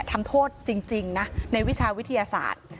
ทำโทษจริงนะในวิชาวิทยาศาสตร์